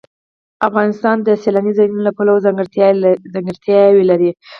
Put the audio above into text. افغانستان د سیلاني ځایونو له پلوه ځانګړتیاوې لري.